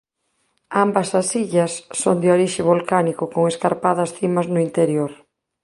Ambas as illas son de orixe volcánico con escarpadas cimas no interior.